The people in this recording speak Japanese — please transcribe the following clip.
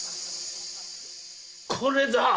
これだ！